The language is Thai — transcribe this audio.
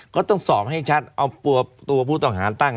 ก็ต้องสอบให้ชัดเอาตัวผู้ต้องหาตั้ง